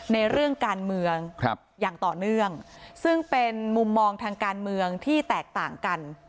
ในเรื่องการเมืองอย่างต่อเนื่องซึ่งเป็นมุมมองทางการเมืองที่แตกต่างกัน